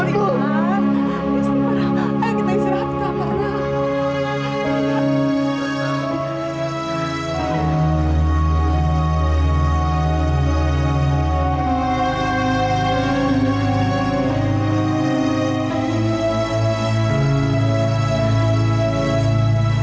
istighfar ayah kita istirahatkan pak